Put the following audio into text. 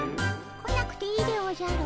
来なくていいでおじゃる。